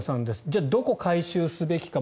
じゃあ、どこを改修すべきか。